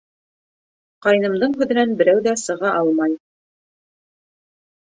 Ҡайнымдың һүҙенән берәү ҙә сыға алмай.